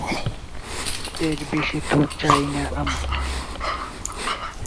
এর বেশি তো চাই না আমি।